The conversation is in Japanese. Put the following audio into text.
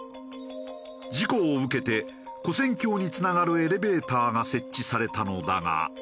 事故を受けて跨線橋につながるエレベーターが設置されたのだが。